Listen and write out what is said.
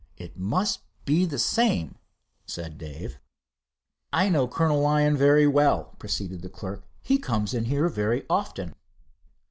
"It must be the same," said Dave. "I know Col. Lyon very well," proceeded the clerk. "He comes in here very often."